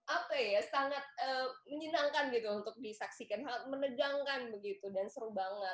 apa ya sangat menyenangkan gitu untuk disaksikan sangat menegangkan begitu dan seru banget